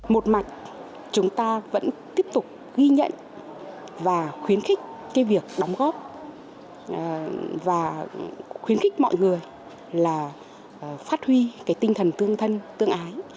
một mặt chúng ta vẫn tiếp tục ghi nhận và khuyến khích cái việc đóng góp và khuyến khích mọi người là phát huy cái tinh thần tương thân tương ái